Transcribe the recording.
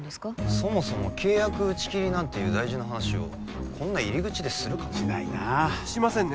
そもそも契約打ち切りなんていう大事な話をこんな入り口でするかしないなあしませんね